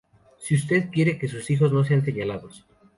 Si usted quiere que sus hijos no sean señalados